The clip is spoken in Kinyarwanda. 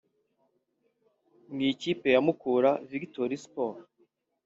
Mu ikipe ya Mukura Victory Sport